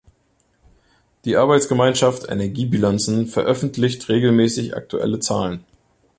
Die 'Arbeitsgemeinschaft Energiebilanzen' veröffentlicht regelmäßig aktuelle Zahlen.